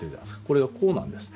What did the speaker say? これをこうなんですね。